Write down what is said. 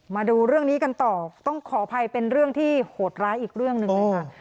มาดูเรื่องนี้กันต่อต้องขออภัยเป็นเรื่องที่โหดร้ายอีกเรื่องหนึ่งนะคะ